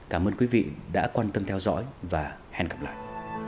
cảm ơn các bạn đã theo dõi và hẹn gặp lại